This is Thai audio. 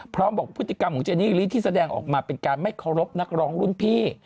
บอกพฤติกรรมของเจนี่ลิที่แสดงออกมาเป็นการไม่เคารพนักร้องรุ่นพี่